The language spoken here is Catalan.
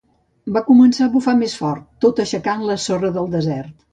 Va començar a bufar més fort, tot aixecant la sorra del desert.